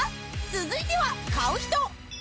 続いては買う人